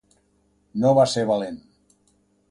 No va ser valent.